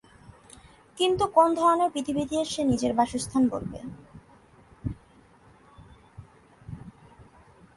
কিন্তু কোন ধরণের পৃথিবীকে সে নিজের বাসস্থান বলবে?